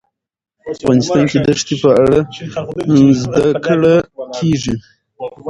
افغانستان کې د ښتې په اړه زده کړه کېږي.